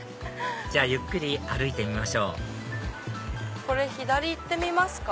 じゃあゆっくり歩いてみましょうこれ左行ってみますか。